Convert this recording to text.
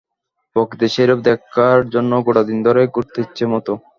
প্রকৃতির সেই রূপ দেখার জন্য গোটা দিন ধরেই ঘুরতে ইচ্ছে হতো।